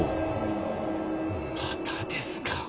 またですか。